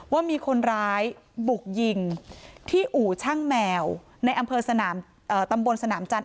ว่ามีคนร้ายบุกยิงที่อู่ช่างแมวในอำเภอสนามตำบลสนามจันท